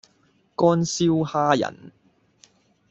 乾燒蝦仁